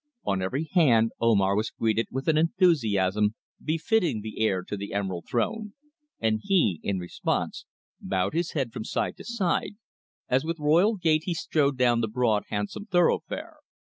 On every hand Omar was greeted with an enthusiasm befitting the heir to the Emerald Throne, and he, in response, bowed his head from side to side, as with royal gait he strode down the broad handsome thoroughfare.